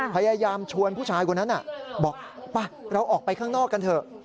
พยายามชวนผู้ชายคนนั้นบอกป่ะเราออกไปข้างนอกกันเถอะ